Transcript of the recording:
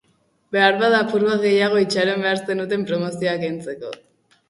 Beharbada apur bat gehiago itxaron behar zenuten promozioa kentzeko.